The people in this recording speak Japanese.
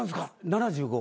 ７５。